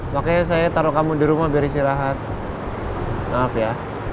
makanya saya taruh kamu di rumah biar istirahat maaf ya